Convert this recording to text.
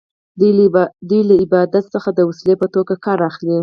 دوی له عبادت څخه د وسیلې په توګه کار اخلي.